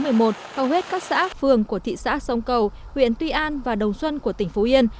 hầu hết các xã phường của thị xã sông cầu huyện tuy an và đồng xuân của tỉnh phú yên